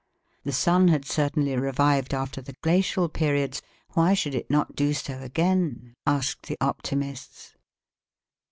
The sun had certainly revived after the glacial periods; why should it not do so again? asked the optimists.